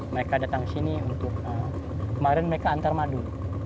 mereka datang ke sini untuk kemarin mereka antar madu